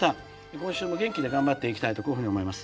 今週も元気で頑張っていきたいとこういうふうに思います。